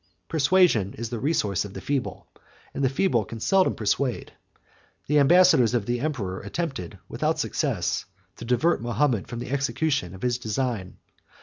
12 Persuasion is the resource of the feeble; and the feeble can seldom persuade: the ambassadors of the emperor attempted, without success, to divert Mahomet from the execution of his design.